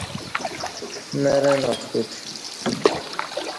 مرں ناٹ کُتہ